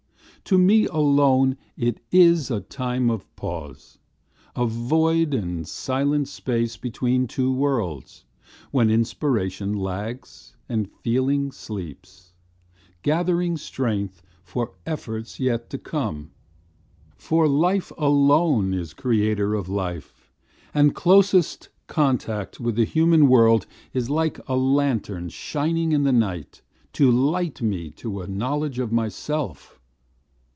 To me alone it is a time of pause, A void and silent space between two worlds, When inspiration lags, and feeling sleeps, Gathering strength for efforts yet to come. For life alone is creator of life, And closest contact with the human world Is like a lantern shining in the night To light me to a knowledge of myself.